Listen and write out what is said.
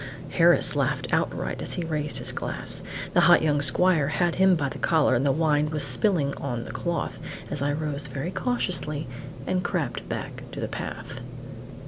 Harris laughed outright as he raised his glass; the hot young squire had him by the collar, and the wine was spilling on the cloth, as I rose very cautiously and crept back to the path.